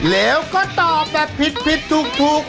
แล้วก็ตอบแบบผิดถูก